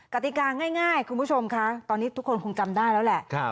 กติกาง่ายคุณผู้ชมคะตอนนี้ทุกคนคงจำได้แล้วแหละ